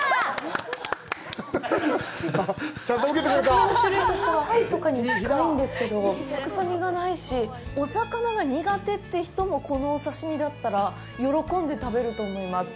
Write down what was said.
お刺身の種類としては鯛とかに近いんですけど臭みがないしお魚が苦手って人もこのお刺身だったら喜んで食べると思います。